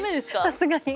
さすがに。